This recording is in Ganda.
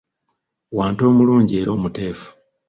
Wante omulungi era omuteefu!